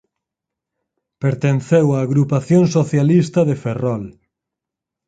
Pertenceu á Agrupación Socialista de Ferrol.